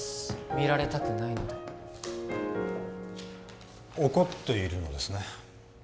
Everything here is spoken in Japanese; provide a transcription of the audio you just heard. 見られたくないので怒っているのですね